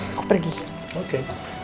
aku pergi oke